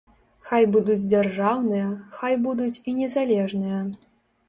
Хай будуць дзяржаўныя, хай будуць і незалежныя.